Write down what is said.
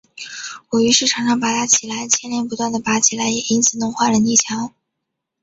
我于是常常拔它起来，牵连不断地拔起来，也曾因此弄坏了泥墙